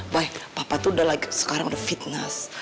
boy papa tuh sekarang udah fitness